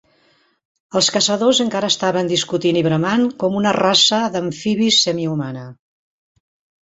Els caçadors encara estaven discutint i bramant com una raça d'amfibis semihumana.